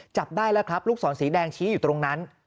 จับได้แล้วครับลูกศรสีแดงชี้อยู่ตรงนั้น